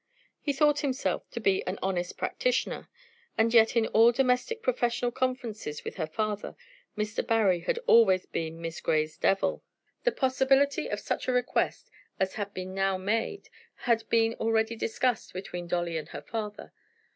He thought himself to be an honest practitioner, and yet in all domestic professional conferences with her father Mr. Barry had always been Miss Grey's "Devil." The possibility of such a request as had been now made had been already discussed between Dolly and her father.